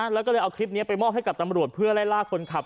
แล้วก็เลยเอาคลิปนี้ไปมอบให้กับตำรวจเพื่อไล่ล่าคนขับ